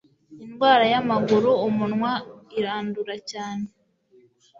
Indwara yamaguru-umunwa irandura cyane.